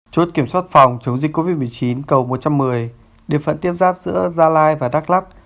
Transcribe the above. chốt kiểm soát phòng chống dịch covid một mươi chín cầu một trăm một mươi địa phận tiếp giáp giữa gia lai và đắk lắc